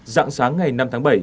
dạng sáng ngày năm tháng bảy